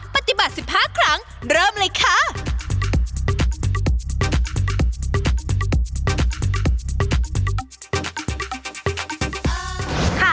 ปฏิบัติ๑๕ครั้งเริ่มเลยค่ะ